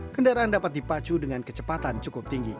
kendaraan dapat dipacu dengan kecepatan cukup tinggi